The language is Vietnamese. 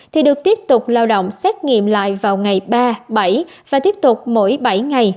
thì được tiếp tục lao động xét nghiệm lại vào ngày ba bảy và tiếp tục mỗi bảy ngày